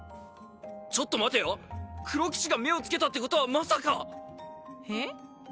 ちょっと待てよ黒騎士が目をつけたってことはまさかえっ？